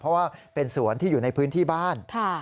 เพราะว่าเป็นสวนที่อยู่ในพื้นที่บ้าน